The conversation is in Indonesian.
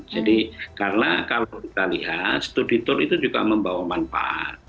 jadi karena kalau kita lihat studi tur itu juga membawa manfaat